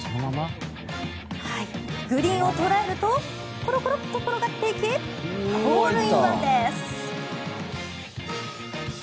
グリーンを捉えるとコロコロッと転がっていきホールインワンです。